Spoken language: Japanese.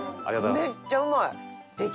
めっちゃうまい。